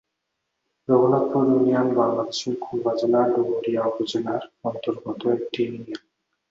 Raghunathpur union বাংলাদেশের খুলনা জেলার ডুমুরিয়া উপজেলার অন্তর্গত একটি ইউনিয়ন।